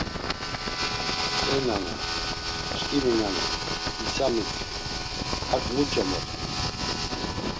E nana, çkimi nana, isa mitzvi, hak muç̌o moxti?